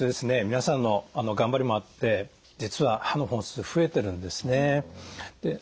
皆さんの頑張りもあって実は歯の本数増えてるんですね。